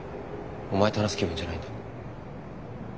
お前と話す気分じゃないんだ。